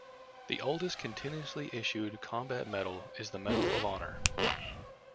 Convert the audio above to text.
The oldest continuously issued combat medal is the Medal of Honor.